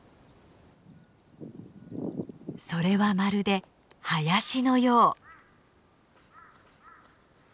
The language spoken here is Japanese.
それはまるで林のよう。